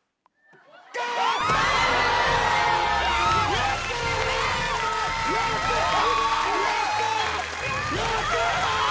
やった！